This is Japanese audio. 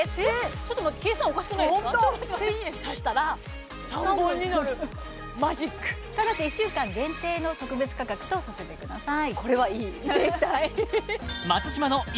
ちょっと待って計算おかしくないですか１０００円足したら３本になるマジックただし１週間限定の特別価格とさせてください